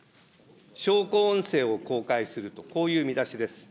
証拠音声を公開するとこういう見出しです。